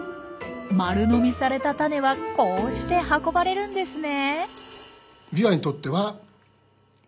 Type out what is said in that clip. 丸飲みされた種はこうして運ばれるんですね。